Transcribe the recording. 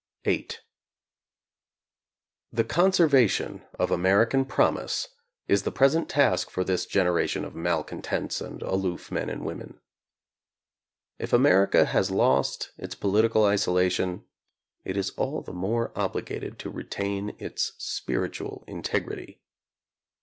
VIII The conservation of American promise is the present task for this generation of malcontents and aloof men and women. If America has lost its political isolation, it is all the more obligated to re tain its spiritual integrity.